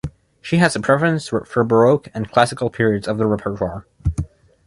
She has a preference for Baroque and Classical periods of the repertoire.